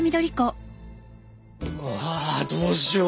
わどうしよう。